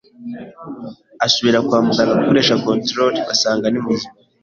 asubira kw muganga gukoresha controle basanga ni muzima